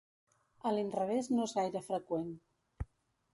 A l'inrevés no és gaire freqüent.